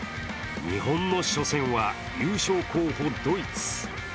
日本の初戦は、優勝候補ドイツ。